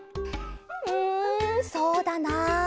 うんそうだな。